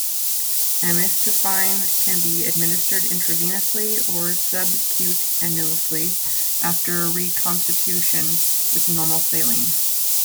Amifostine can be administered intravenously or subcutaneously after reconstitution with normal saline.